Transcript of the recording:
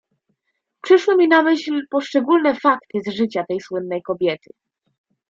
"Przyszły mi na myśl poszczególne fakty z życia tej słynnej kobiety."